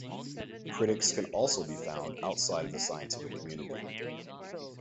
Critics can also be found outside of the scientific community.